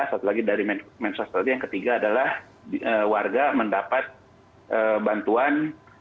satu lagi dari mensos tadi yang ketiga adalah warga mendapat bantuan